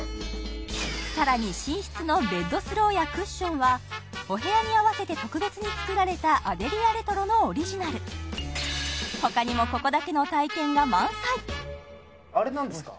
さらに寝室のベッドスローやクッションはお部屋に合わせて特別に作られたアデリアレトロのオリジナル他にもあれ何ですか？